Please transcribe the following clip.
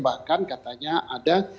bahkan katanya ada